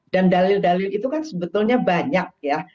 dan dalil dalil itu kan sebetulnya banyak